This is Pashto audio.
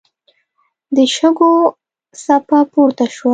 د شګو څپه پورته شوه.